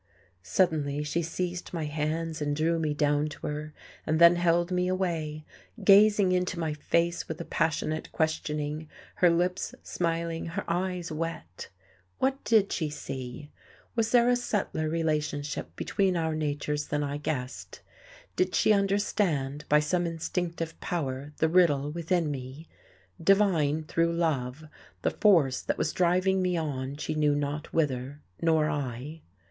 Suddenly she seized my hands and drew me down to her, and then held me away, gazing into my face with a passionate questioning, her lips smiling, her eyes wet. What did she see? Was there a subtler relationship between our natures than I guessed? Did she understand by some instinctive power the riddle within me? divine through love the force that was driving me on she knew not whither, nor I?